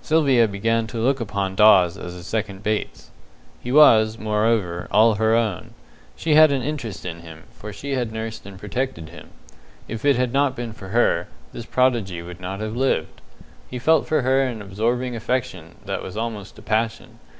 Sylvia began to look upon Dawes as a second Bates. He was, moreover, all her own. She had an interest in him, for she had nursed and protected him. If it had not been for her, this prodigy would not have lived. He felt for her an absorbing affection that was almost a passion.